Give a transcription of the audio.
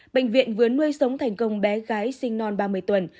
bệnh viện vừa nuôi sống thành công bé gái sinh non ba mươi tuần